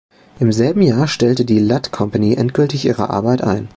Im selben Jahr stellte die Ladd Company endgültig ihre Arbeit ein.